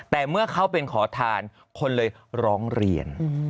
แต่เมื่อเขาเป็นขอทานคนเลยร้องเรียน